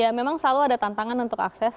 ya memang selalu ada tantangan untuk akses